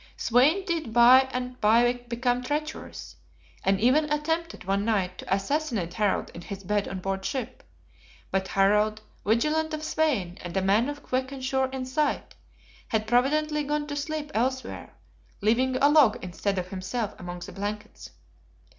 Svein did by and by become treacherous; and even attempted, one night, to assassinate Harald in his bed on board ship: but Harald, vigilant of Svein, and a man of quick and sure insight, had providently gone to sleep elsewhere, leaving a log instead of himself among the blankets.